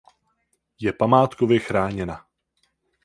Je památkově chráněna.